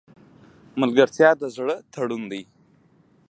ملګرتیا د زړه تړون دی.